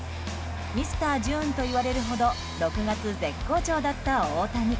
ミスター・ジューンといわれるほど６月絶好調だった大谷。